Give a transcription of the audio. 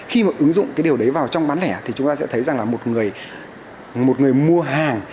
khi mà ứng dụng cái điều đấy vào trong bán lẻ thì chúng ta sẽ thấy rằng là một người mua hàng